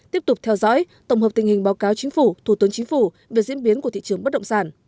tiếp tục theo dõi tổng hợp tình hình báo cáo chính phủ thủ tướng chính phủ về diễn biến của thị trường bất động sản